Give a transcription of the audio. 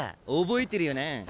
覚えてるよな？